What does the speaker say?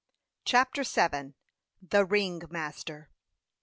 CHAPTER VII. THE RING MASTER.